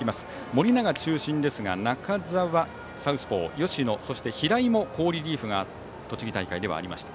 盛永中心ですが中澤、サウスポー吉野、そして平井も好リリーフが栃木大会ではありました。